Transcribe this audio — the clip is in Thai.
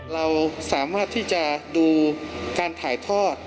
เราสามารถที่จะดูการถ่ายทอด